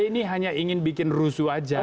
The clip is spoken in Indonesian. pak s b ini hanya ingin bikin rusuh saja